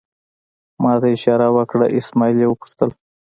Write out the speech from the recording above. ما ته یې اشاره وکړه، اسمعیل یې وپوښتل.